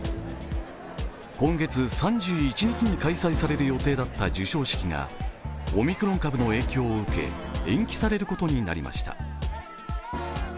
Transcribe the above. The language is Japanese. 今月３１日に開催される予定だった授賞式がオミクロン株の影響を受け延期されることになりました。